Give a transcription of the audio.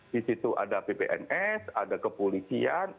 di situ ada ppns ada kepolisian